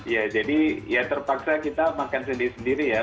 ya jadi ya terpaksa kita makan sendiri sendiri ya